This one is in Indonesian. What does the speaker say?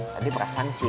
tadi perasan sih